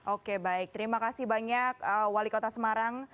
oke baik terima kasih banyak wali kota semarang